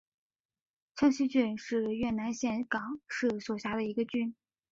清溪郡是越南岘港市所辖的一个郡。